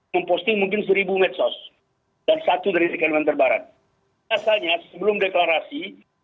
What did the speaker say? memposting mungkin seribu medsos dan satu dari kalimantan barat asalnya sebelum deklarasi